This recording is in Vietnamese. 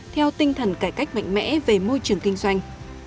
theo tinh thần cải cách mạnh mẽ về môi trường kinh doanh